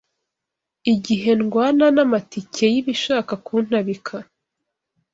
Igihe ndwana n’amatike Y’ibishaka kuntabika